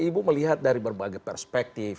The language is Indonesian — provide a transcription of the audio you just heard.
ibu melihat dari berbagai perspektif